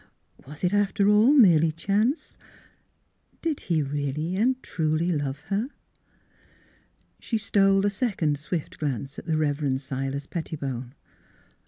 Was it, after all, merely chance? Did he really and truly love her? She stole a second swift glance at the Rev. Silas Pettibone.